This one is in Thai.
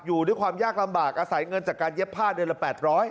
อยู่ด้วยความยากลำบากอาศัยเงินจากการเย็บผ้าเดือนละ๘๐๐